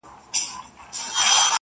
کرونا نه ده توره بلا ده٫